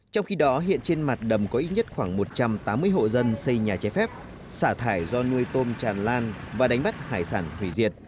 trong khi đó hiện trên mặt đầm có ít nhất khoảng một trăm tám mươi hộ dân xây nhà cháy phép xả thải do nuôi tôm tràn lan và đánh bắt hải sản hủy diệt